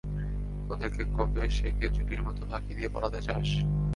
ওদেরকে কোবে-শ্যাকে জুটির মতো ফাঁকি দিয়ে পালাতে চাস?